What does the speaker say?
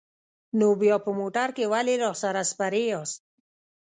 نو بیا په موټر کې ولې راسره سپرې یاست؟